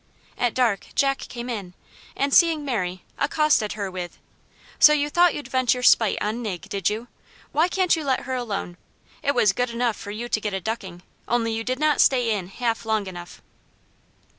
At dark Jack came in, and seeing Mary, accosted her with, "So you thought you'd vent your spite on Nig, did you? Why can't you let her alone? It was good enough for you to get a ducking, only you did not stay in half long enough."